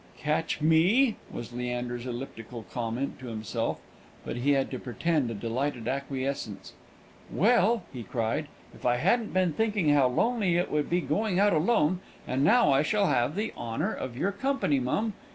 "Catch me!" was Leander's elliptical comment to himself; but he had to pretend a delighted acquiescence. "Well," he cried, "if I hadn't been thinking how lonely it would be going out alone! and now I shall have the honour of your company, mum.